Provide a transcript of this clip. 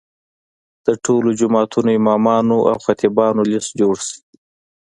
د ټولو جوماتونو امامانو او خطیبانو لست جوړ شي.